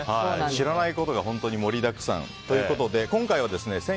知らないことが本当に盛りだくさんということで今回は１１９２